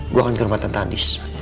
gue akan ke rumah tante andis